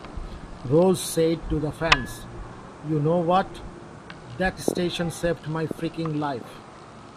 Rose said to the fans, "You know what?!, that station saved my freakin' life.